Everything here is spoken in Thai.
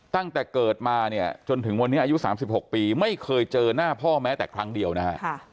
ตั้งแต่เกิดมาเนี่ยจนถึงวันนี้อายุ๓๖ปีไม่เคยเจอหน้าพ่อแม้แต่ครั้งเดียวนะฮะ